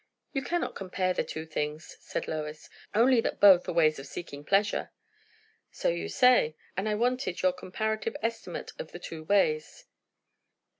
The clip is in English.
"You cannot compare the two things," said Lois; "only that both are ways of seeking pleasure." "So you say; and I wanted your comparative estimate of the two ways."